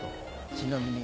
ちなみに。